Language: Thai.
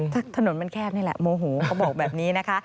ถ้าถนนมันแคบนี่แหละโมโหเขาบอกแบบนี้นะคะ